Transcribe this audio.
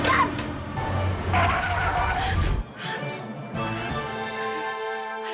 lus nasinya lagi cepetan